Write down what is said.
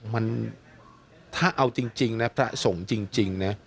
มันถ้าเอาจริงนะพระสงฆ์จริงนะ